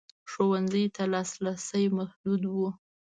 ښوونځیو ته لاسرسی محدود و.